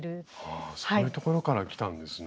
あそういうところからきたんですね。